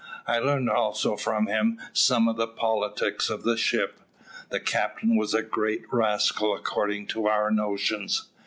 I learned also from him some of the politics of the ship. The captain was a great rascal according to our notions.